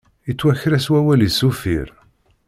Yettwaker-as wawal-is uffir.